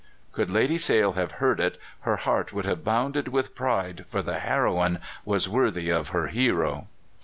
'" Could Lady Sale have heard it, her heart would have bounded with pride, for the heroine was worthy of her hero.